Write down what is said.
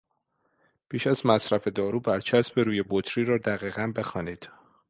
پیش از مصرف دارو برچسب روی بطری را دقیقا بخوانید.